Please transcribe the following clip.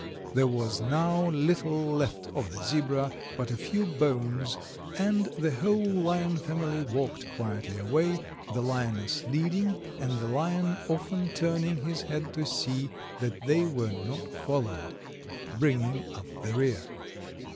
There was now little left of the zebra but a few bones, and the whole Lion family walked quietly away, the Lioness leading, and the Lion often turning his head to see that they were not followed, bringing up the rear."